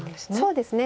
そうですね